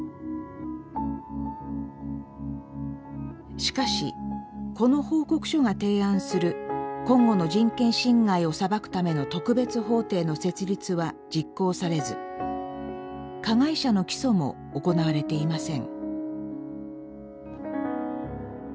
しかしこの報告書が提案するコンゴの人権侵害を裁くための特別法廷の設立は実行されず加害者の起訴も行われていません。